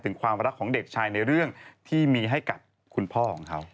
ถึงความรักของเด็กชายในเรื่องที่มีให้กับคุณพ่อของเขา